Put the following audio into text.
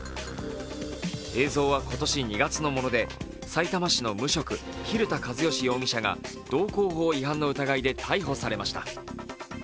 映像は今年２月のもので、さいたま市の無職蛭田和良容疑者が道交法違反の疑いで逮捕されました。